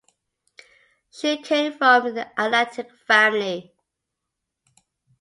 She came from an athletic family.